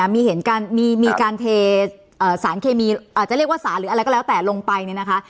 มีการเทสารเคมีอาจจะเรียกว่าสารหรืออะไรก็แล้วแต่ลงไปเนี่ยนะคะ